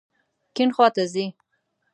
کیڼ خواته ځئ